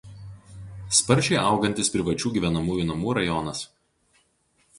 Sparčiai augantis privačių gyvenamųjų namų rajonas.